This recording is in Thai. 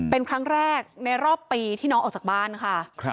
เป็นครั้งแรกในรอบปีที่น้องออกจากบ้านค่ะ